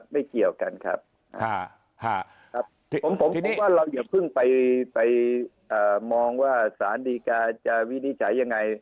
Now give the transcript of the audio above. ผมบอกว่าเราอย่าเพิ่งไปมองว่าสารดีกาจะวินิจัยยังไง